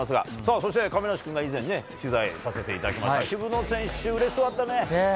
そして、亀梨君が以前取材させていただいた渋野選手、うれしそうだったね。